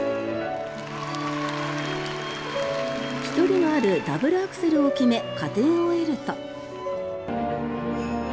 飛距離のあるダブルアクセルを決め加点を得ると。